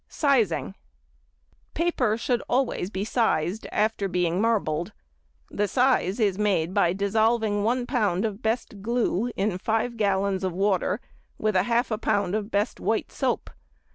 Sizing.—Paper should be always sized after being marbled. The size is made by dissolving one pound of best glue in five gallons of water with half a pound of best white soap.